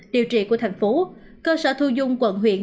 điều trị của thành phố cơ sở thu dung quận huyện